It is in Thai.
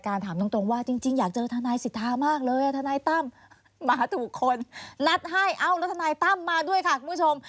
คุณผู้ชมว่าจริงอยากเจอธนายศิษฐามากเลยเออธนายตั้มมาทุกคนนัดให้เอาแล้วธนายตั้มมาด้วยค่ะคุณผู้ชม